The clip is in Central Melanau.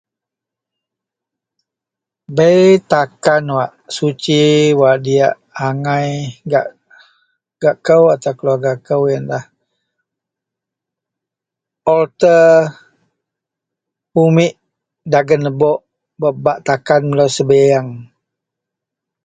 Bei takan wak suci wak diyak angai gak kou atau keluarga kou iyenlah alta umit dagen lebok wak bak takan melo sabiyeng.